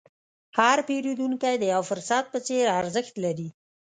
هر پیرودونکی د یو فرصت په څېر ارزښت لري.